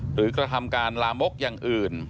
กระทำการลามกอย่างอื่น